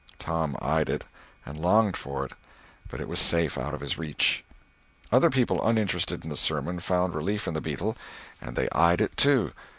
Tom eyed it, and longed for it; but it was safe out of his reach. Other people uninterested in the sermon found relief in the beetle, and they eyed it too.